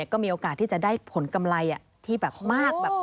ก็มีโอกาสที่จะได้ผลกำไรที่แบบมาก